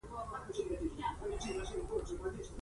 زه په هوا سوم او بيا پر ځان پوه نه سوم.